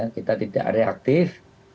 kita tidak reaktif